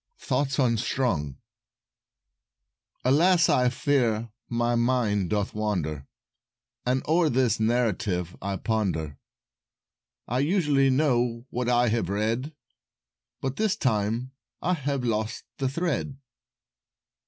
[Illustration: Old Mr. Match] THOUGHTS UNSTRUNG "Alas! I fear my mind doth wander. As o'er this narrative I ponder; I usually know what I have read, But this time I have lost the Thread."